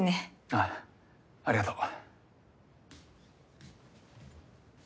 ああありがとう。